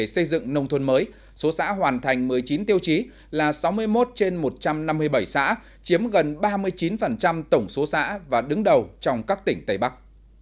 số xã hoàn thành một mươi chín tiêu chí là sáu mươi một trên một trăm năm mươi bảy xã chiếm gần ba mươi chín tổng số xã và đứng đầu trong các tỉnh tây bắc